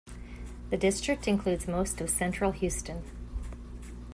The district includes most of central Houston.